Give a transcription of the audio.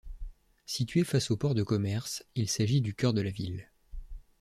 Située face au port de commerce, il s'agit du cœur de la ville.